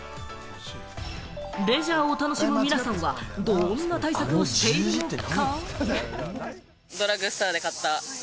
レジャーを楽しむ皆さんはどんな対策をしているのか？